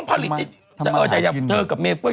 ถ้าเจอกับเม้เฟ้อร์บกัน